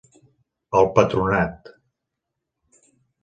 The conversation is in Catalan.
El Patronat.